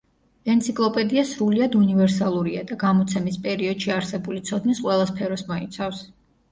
ენციკლოპედია სრულიად უნივერსალურია და გამოცემის პერიოდში არსებული ცოდნის ყველა სფეროს მოიცავს.